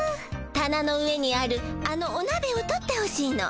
たなの上にあるあのおなべを取ってほしいの。